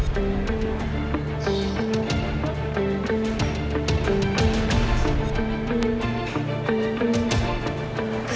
ibu mau apa kesini